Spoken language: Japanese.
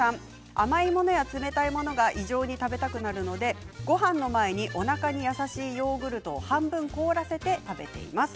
甘いものや、冷たいものが異常に食べたくなるのでごはんの前に、おなかに優しいヨーグルト半分凍らせて食べています。